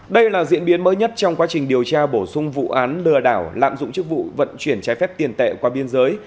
đây là diễn biến mới nhất trong quá trình điều tra bổ sung vụ án lừa đảo lạm dụng chức vụ vận chuyển trái phép tiền tệ qua biên giới